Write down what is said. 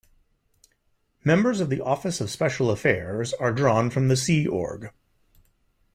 Members of the Office of Special Affairs are drawn from the Sea Org.